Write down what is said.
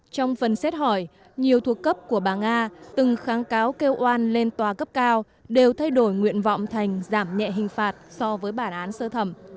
trong phần xét hỏi nhiều thuộc cấp của bà nga từng kháng cáo kêu oan lên tòa cấp cao đều thay đổi nguyện vọng thành giảm nhẹ hình phạt so với bản án sơ thẩm